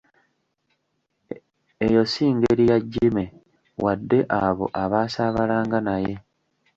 Eyo si ngeri ya Jimmy wadde abo abaasaabalanga naye.